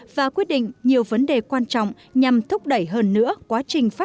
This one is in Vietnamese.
và quyết định nhiều vấn đề quan trọng nhằm thúc đẩy hơn nữa